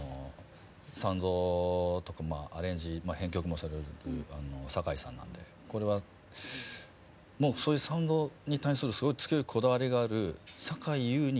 サウンドとかアレンジ編曲もされるというさかいさんなんでこれはそういうサウンドに対するすごい強いこだわりがあるさかいゆうに聞く